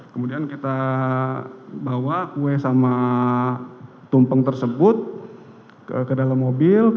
kemudian kita bawa kue sama tumpeng tersebut ke dalam mobil